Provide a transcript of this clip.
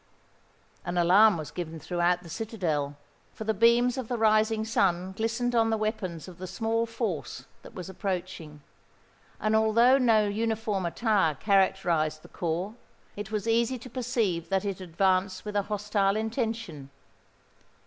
An alarm was given throughout the citadel; for the beams of the rising sun glistened on the weapons of the small force that was approaching; and although no uniform attire characterised the corps, it was easy to perceive that it advanced with a hostile intention.